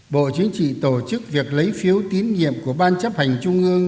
bộ chính trị tổ chức việc lấy phiếu tín nhiệm của ban chấp hành trung ương